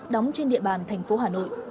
đóng trên địa bàn thành phố hà nội